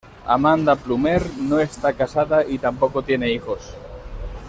Amanda Plummer no está casada y tampoco tiene hijos.